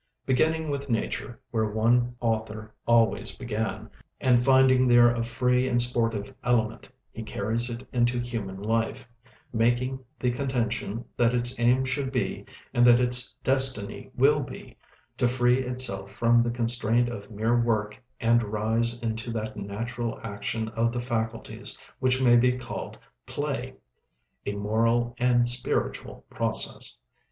Beginning with nature, where our author always began, and finding there a free and sportive element, he carries it into human life; making the contention that its aim should be, and that its destiny will be, to free itself from the constraint of mere work and rise into that natural action of the faculties which may be called play a moral and spiritual process.